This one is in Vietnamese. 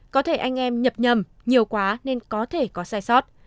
có thể anh em nhập nhầm nhiều quá nên có thể có sai sót